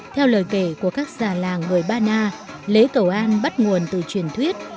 theo lời kể của các già làng người ba na lễ cầu an bắt nguồn từ truyền thuyết